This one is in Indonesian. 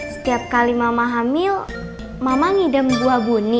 setiap kali mama hamil mama ngidam buah buni